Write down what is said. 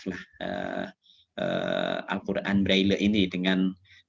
dan tentu juga kita akan memperbaiki al quran braille ini